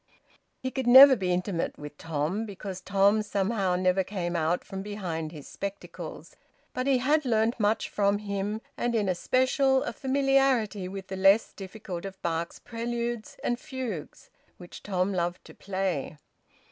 He could never be intimate with Tom, because Tom somehow never came out from behind his spectacles. But he had learnt much from him, and in especial a familiarity with the less difficult of Bach's preludes and fugues, which Tom loved to play.